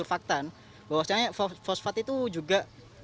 berdasarkan uji uji penelitian ataupun uji surfaktan bahwasanya fosfat itu juga